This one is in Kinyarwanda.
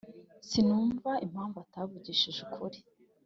] sinumva impamvu atavugishije ukuri.